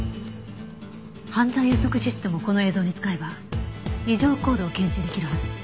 犯罪予測システムをこの映像に使えば異常行動を検知できるはず。